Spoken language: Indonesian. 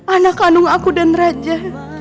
anak kandung aku dan raja